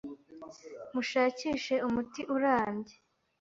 Mushakishe umuti urambye